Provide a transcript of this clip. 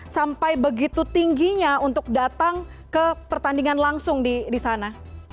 sampai begitu tingginya untuk datang ke pertandingan langsung di sana